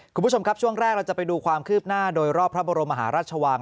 คุณผู้ชมครับช่วงแรกเราจะไปดูความคืบหน้าโดยรอบพระบรมมหาราชวัง